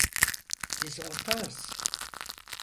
Biz ortağız.